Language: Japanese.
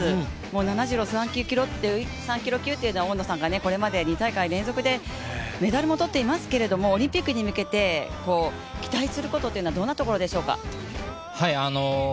７３キロ級というのは大野さんがこれまで２大会連続でメダルも取っていますけれどもオリンピックに向けて期待することはどんなことでしょうか。